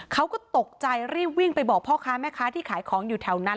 เขาก็ตกใจรีบวิ่งไปบอกพ่อค้าแม่ค้าที่ขายของอยู่แถวนั้น